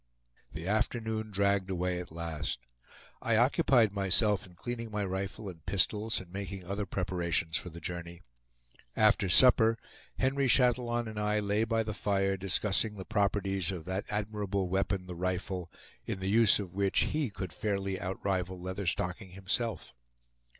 The afternoon dragged away at last. I occupied myself in cleaning my rifle and pistols, and making other preparations for the journey. After supper, Henry Chatillon and I lay by the fire, discussing the properties of that admirable weapon, the rifle, in the use of which he could fairly outrival Leatherstocking himself.